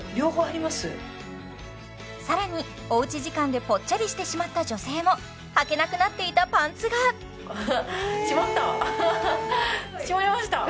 さらにおうち時間でぽっちゃりしてしまった女性もはけなくなっていたパンツがしまりました